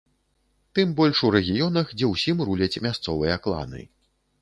Тым больш у рэгіёнах, дзе ўсім руляць мясцовыя кланы.